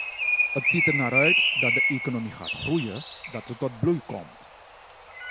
Het ziet ernaar uit dat de economie gaat groeien, dat ze tot bloei komt.